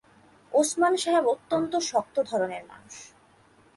ওসমান সাহেব অত্যন্ত শক্ত ধরনের মানুষ।